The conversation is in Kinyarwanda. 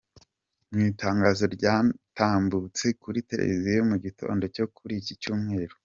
Mu Itangazo ryatambutse kuri Televiziyo mu gitondo cyo kuri ’iki cyumweru,.